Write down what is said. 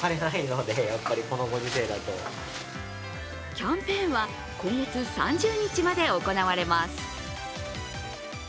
キャンペーンは今月３０日まで行われます。